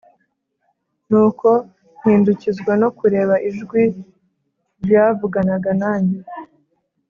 Nuko mpindukizwa no kureba ijwi ryavuganaga nanjye,